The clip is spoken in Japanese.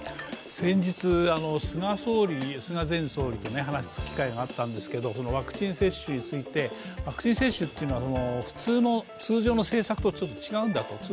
先日、菅前総理と話す機会があったんですけどワクチン接種について、ワクチン接種というのは通常の政策とはちょっと違うんだと。